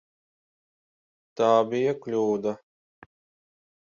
Tā bija kļūda.